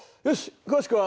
よし。